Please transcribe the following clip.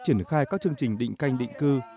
triển khai các chương trình định canh định cư